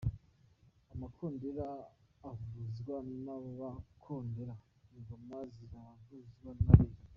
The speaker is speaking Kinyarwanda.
Amakondera avuzwa n’Abakondera, Ingoma zikavuzwa n’Abiru.